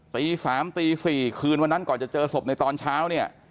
ตี๓ตี๔คืนวันนั้นก่อนจะเจอศพในตอนเช้าเนี่ย